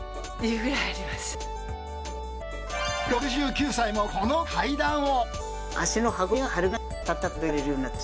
６９歳もこの階段を。